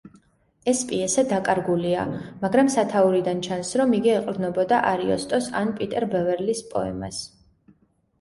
ეს პიესა დაკარგულია, მაგრამ სათაურიდან ჩანს, რომ იგი ეყრდნობოდა არიოსტოს ან პიტერ ბევერლის პოემას.